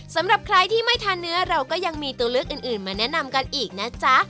สำหรับใครที่ไม่ทานเนื้อเราก็ยังมีตัวเลือกอื่นมาแนะนำกันอีกนะจ๊ะ